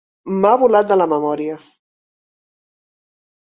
M'ha volat de la memòria.